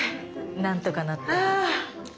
なんとかなって。